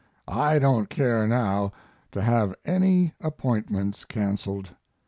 I don't care now to have any appointments canceled.